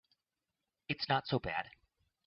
It's not so bad.